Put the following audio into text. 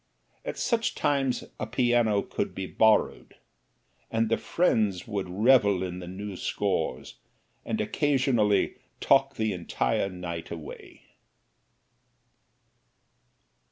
At such times a piano would be borrowed, and the friends would revel in the new scores, and occasionally talk the entire night away.